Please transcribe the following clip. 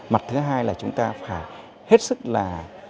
mặt thứ hai là chúng ta phải hết sức là